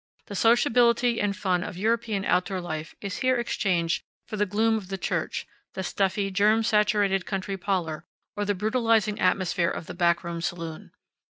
The sociability and fun of European outdoor life is here exchanged for the gloom of the church, the stuffy, germ saturated country parlor, or the brutalizing atmosphere of the back room saloon.